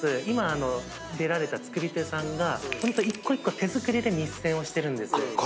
今出られた作り手さんが一個一個手作りで密栓をしてるんです。